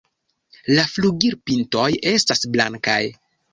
La flugilpintoj estas blankaj.